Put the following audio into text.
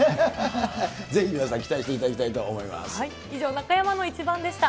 ぜひ皆さん期待していただきたい以上、中山のイチバンでした。